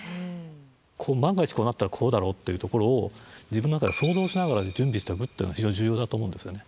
万が一こうなったらこうだろうっていうところを自分の中で想像しながら準備しておくっていうの非常に重要だと思うんですがね。